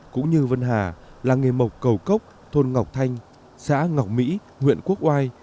cũng như vân hà làng nghề mộc cầu cốc thôn ngọc thanh xã ngọc mỹ huyện quốc oai